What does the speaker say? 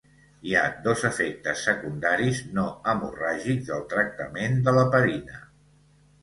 Hi ha dos efectes secundaris no hemorràgics del tractament de l'heparina.